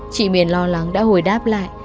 chị miền lo lắng đã hồi đáp lại